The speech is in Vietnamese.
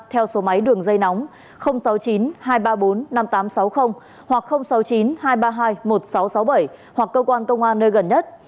theo số máy đường dây nóng sáu mươi chín hai trăm ba mươi bốn năm nghìn tám trăm sáu mươi hoặc sáu mươi chín hai trăm ba mươi hai một nghìn sáu trăm sáu mươi bảy hoặc cơ quan công an nơi gần nhất